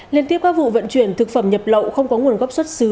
liên tiếp các vụ vận chuyển thực phẩm nhập lậu không có nguồn gốc xuất xứ